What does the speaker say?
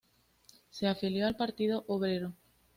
Se afilió al Partido Obrero.